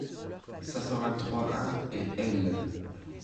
cinq cent vingt-trois-un et L.